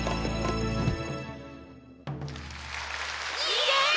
イエイ！